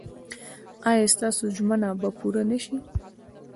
ایا ستاسو ژمنه به پوره نه شي؟